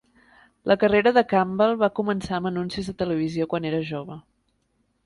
La carrera de Campbell va començar amb anuncis de televisió quan era jove.